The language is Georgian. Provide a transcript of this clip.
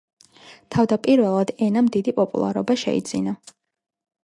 თავდაპირველად ენამ დიდი პოპულარობა შეიძინა.